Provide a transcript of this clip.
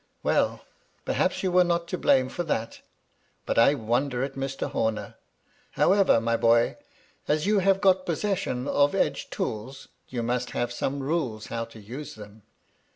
" Well I perhaps you were not to blame for that. But I wonder at Mr. Horner. However, my boy, as you have got possession of edge tools, you must have some rules how to use them.